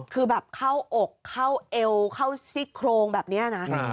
คือแบบเข้าอกเข้าเอวเข้าซี่โครงแบบนี้นะ